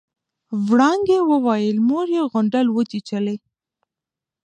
وړانګې وويل مور يې غونډل وچېچلې.